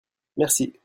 merci.